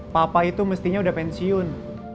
papa itu mestinya udah pensiun